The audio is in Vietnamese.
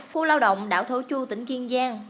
khu lao động đảo thổ chu tỉnh kiên